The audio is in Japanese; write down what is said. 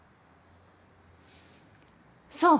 そう。